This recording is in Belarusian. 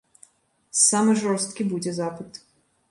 Самы жорсткі будзе запыт.